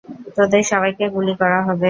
তোদের সবাইকে গুলি করা হবে!